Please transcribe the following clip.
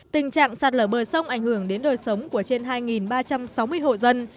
tình trạng sạt lở bờ sông ảnh hưởng đến đời sống của trên hai ba trăm sáu mươi hộ dân